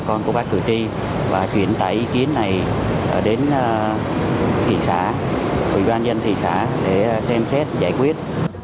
bà con của bác cử tri và chuyển tải ý kiến này đến thị xã ủy ban dân thị xã để xem xét giải quyết